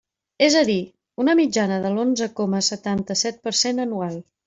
És a dir, una mitjana de l'onze coma setanta-set per cent anual.